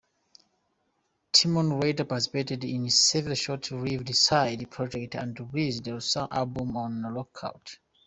Timony later participated in several short-lived side-projects, and released solo albums on Lookout!